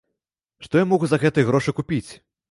Што я магу за гэтыя грошы купіць?